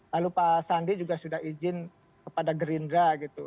lalu pak sandi juga sudah izin kepada gerindra gitu